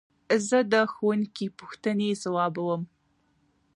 زه د ښوونکي پوښتنې ځوابوم.